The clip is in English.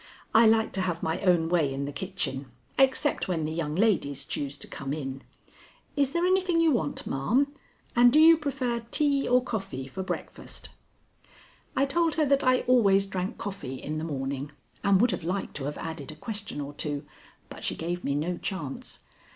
I like to have my own way in the kitchen, except when the young ladies choose to come in. Is there anything more you want, ma'am, and do you prefer tea or coffee for breakfast?" I told her that I always drank coffee in the morning, and would have liked to have added a question or two, but she gave me no chance.